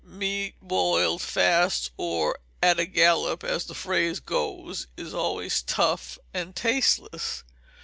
Meat boiled fast, or "at a gallop," as the phrase goes, is always tough and tasteless.